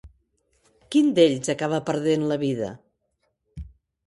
Quin d'ells acaba perdent la vida?